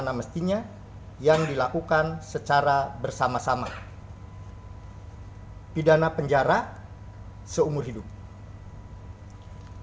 pemohonan yang dijatuhkan secara bersama sama dan tanpa hak melakukan tindakan yang berakibat sistem elektronik